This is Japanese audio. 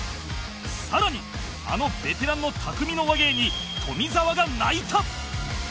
更にあのベテランの匠の話芸に富澤が泣いた！